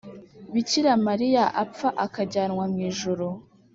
bikira mariya apfa akajyanwa mw’ijuru.